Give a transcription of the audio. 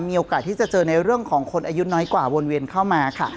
มีโอกาสที่จะเจอในเรื่องของคนอายุน้อยกว่าวนเวียนเข้ามาค่ะ